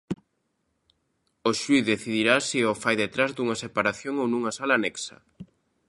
O xuíz decidirá se o fai detrás dunha separación ou nunha sala anexa.